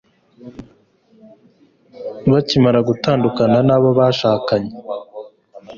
bakimara gutandukana n'abo bashakanye